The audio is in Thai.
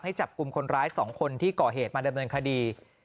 จับกลุ่มคนร้าย๒คนที่ก่อเหตุมาดำเนินคดี